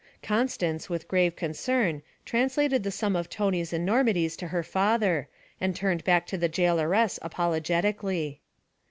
Constance, with grave concern, translated the sum of Tony's enormities to her father; and turned back to the jailoress apologetically.